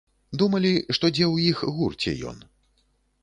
Думалі, што дзе ў іх гурце ён.